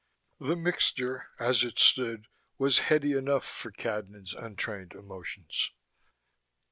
The mixture, as it stood, was heady enough for Cadnan's untrained emotions.